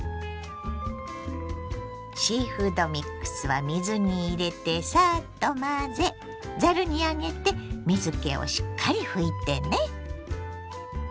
シーフードミックスは水に入れてサッと混ぜざるに上げて水けをしっかり拭いてね。